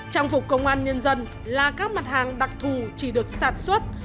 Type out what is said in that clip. trang phục công an nhân dân là các mặt hàng đặc thù chỉ được sản xuất